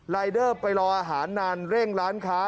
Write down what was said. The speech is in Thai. รายเดอร์ไปรออาหารนานเร่งร้านค้า